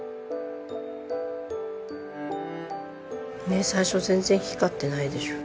ねえ最初全然光ってないでしょ？